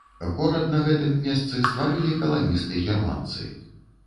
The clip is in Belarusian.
Горад на гэтым месцы стварылі каланісты-германцы.